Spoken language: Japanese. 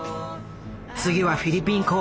次はフィリピン公演。